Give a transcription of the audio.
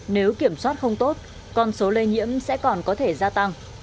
nếu kiểm soát không tốt con số lây nhiễm sẽ còn có thể gia tăng